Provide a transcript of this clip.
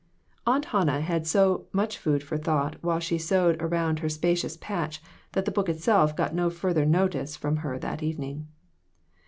Aunt Hannah had so much food for thought while she sewed around her spacious patch that the book itself got no further notice from her that evening.